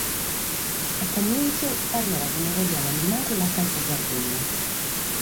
A comintzu pariat chi non podiat nemmancu lassare sa Sardigna.